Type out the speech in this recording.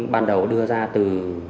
ban đầu đưa ra từ